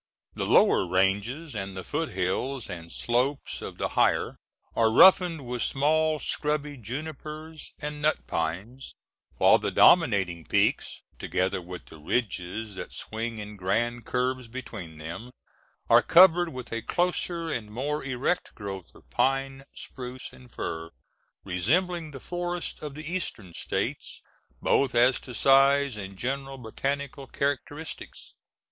The lower ranges and the foothills and slopes of the higher are roughened with small scrubby junipers and nut pines, while the dominating peaks, together with the ridges that swing in grand curves between them, are covered with a closer and more erect growth of pine, spruce, and fir, resembling the forests of the Eastern States both as to size and general botanical characteristics.